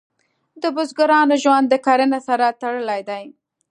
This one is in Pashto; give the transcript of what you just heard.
د بزګرانو ژوند د کرنې سره تړلی دی.